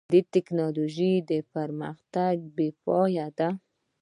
د ټکنالوجۍ پرمختګ بېپای دی.